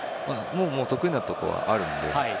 もう、得意なところはあるので。